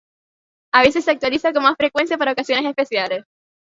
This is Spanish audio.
A veces se actualiza con más frecuencia para ocasiones especiales.